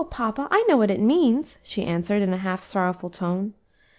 papa, I know what it means," she answered, in a half sorrowful tone.